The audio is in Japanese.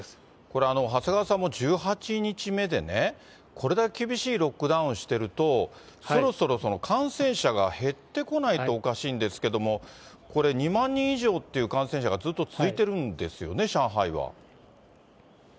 これ、長谷川さんも１８日目でね、これだけ厳しいロックダウンしてると、そろそろ感染者が減ってこないとおかしいんですけれども、これ、２万人以上という感染者がずっと続いているんですよね、上海は。